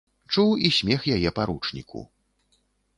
Чуў і смех яе паручніку.